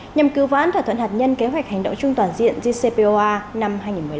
nhằm cứu vãn thỏa thuận hạt nhân kế hoạch hành động chung toàn diện jcpoa năm hai nghìn một mươi năm